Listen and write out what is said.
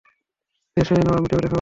Fresh হয়ে নাও, আমি টেবিলে খাবার দিচ্ছি।